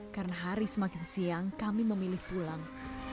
karena hari semakin siang kami memilih pulang